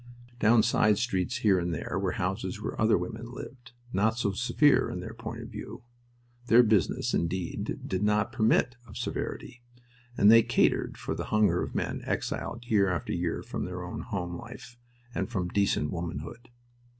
Down side streets here and there were houses where other women lived, not so severe in their point of view. Their business, indeed, did not permit of severity, and they catered for the hunger of men exiled year after year from their own home life and from decent womanhood.